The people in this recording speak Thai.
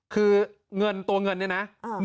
คือเงินตัวเงินเนี่ยนะ